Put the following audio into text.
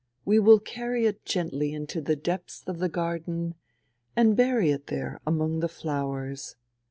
We will carry it gently into the depths of the garden and bury it there among the flowers.